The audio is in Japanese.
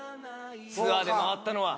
ツアーで回ったのは。